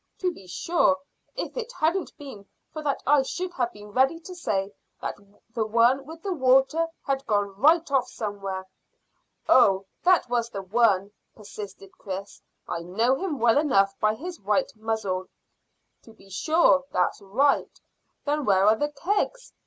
"To be sure. If it hadn't been for that I should have been ready to say that the one with the water had gone right off somewhere." "Oh, that was the one," persisted Chris. "I know him well enough by his white muzzle." "To be sure. That's right. Then where are the kegs?